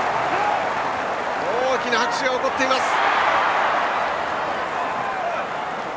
大きな拍手が起こっています。